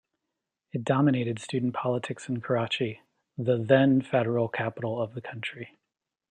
It dominated student politics in Karachi, the then Federal Capital of the country.